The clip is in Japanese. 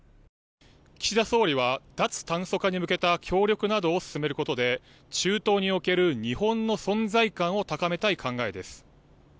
岸田総理は、脱炭素化に向けた協力などを進めることで中東における日本の存在感を高めたい考えです。